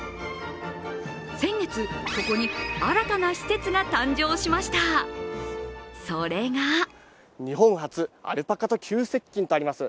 先月、ここに新たな施設が誕生しました、それが日本初、アルパカと急接近とあります。